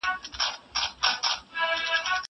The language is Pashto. زه کولای سم مړۍ وخورم!!